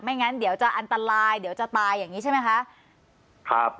งั้นเดี๋ยวจะอันตรายเดี๋ยวจะตายอย่างนี้ใช่ไหมคะครับ